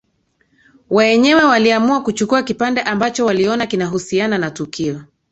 Waenyewe waliamua kuchukua kipande ambacho waliona kinahusiana na tukio